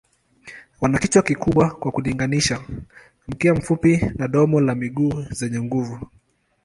Wana kichwa kikubwa kwa kulinganisha, mkia mfupi na domo na miguu zenye nguvu.